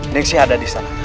nyingsi ada di sana